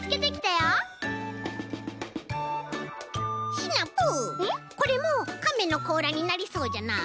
シナプーこれもカメのこうらになりそうじゃない？